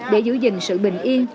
để giữ gìn sự bình yên